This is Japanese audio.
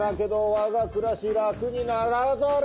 我が暮らし楽にならざる。